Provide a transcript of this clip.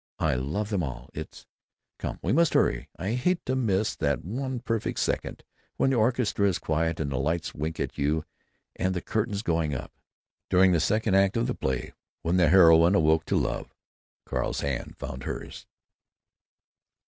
I love them all. It's——Come, we must hurry. I hate to miss that one perfect second when the orchestra is quiet and the lights wink at you and the curtain's going up." During the second act of the play, when the heroine awoke to love, Carl's hand found hers.